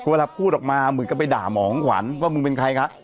เวลาพูดออกมาเหมือนกับไปด่าหมอของขวัญว่ามึงเป็นใครคะ